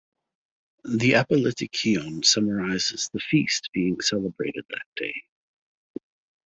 The apolytikion summarizes the feast being celebrated that day.